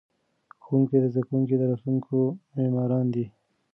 ښوونکي د زده کوونکو د راتلونکي معماران دي.